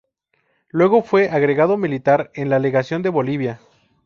Luego fue agregado militar en la legación de Bolivia.